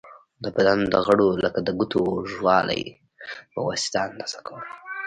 د بدن د غړیو لکه د ګوتو اوږوالی په واسطه اندازه کوله.